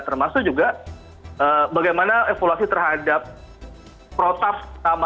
termasuk juga bagaimana evaluasi terhadap protas tamaran dan perusahaan